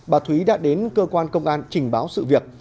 bà thúy đã đến cơ quan công an trình báo sự việc